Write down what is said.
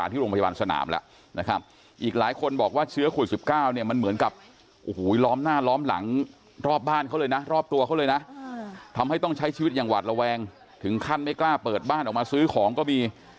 ถึงขั้นไม่กล้าเปิดบ้านออกมาซื้อของก็มี